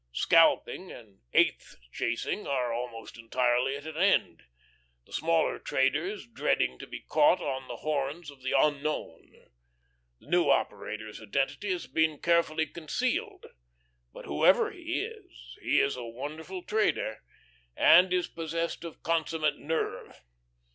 Scalping and eighth chasing are almost entirely at an end, the smaller traders dreading to be caught on the horns of the Unknown. The new operator's identity has been carefully concealed, but whoever he is, he is a wonderful trader and is possessed of consummate nerve.